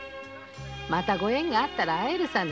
またご縁があったら会えるさね。